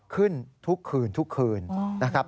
ขึ้นทุกคืนนะครับ